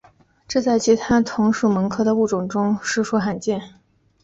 这在其他同属蠓科的物种当中实属罕见。